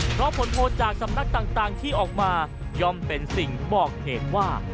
เพราะผลโพลจากสำนักต่างที่ออกมาย่อมเป็นสิ่งบอกเหตุว่า